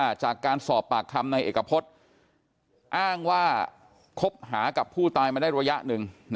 จากการสอบปากคำในเอกพฤษอ้างว่าคบหากับผู้ตายมาได้ระยะหนึ่ง